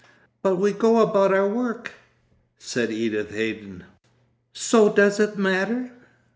'But we go about our work,' said Edith Haydon. 'So does it matter?